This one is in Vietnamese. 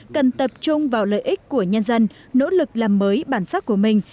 cần tập trung vào lợi ích của nhân dân nỗ lực làm mới bản sắc của mình